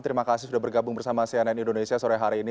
terima kasih sudah bergabung bersama cnn indonesia sore hari ini